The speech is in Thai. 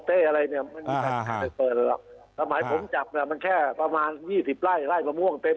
มันไม่ได้เปิดหรอกสมัยผมจับมันแค่ประมาณ๒๐ไร่ไร่ประม่วงเต็ม